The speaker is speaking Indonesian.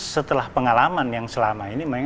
setelah pengalaman yang selama ini